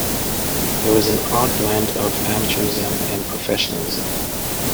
It was an odd blend of amateurism and professionalism.